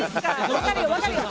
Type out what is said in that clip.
分かるよ、分かるよ。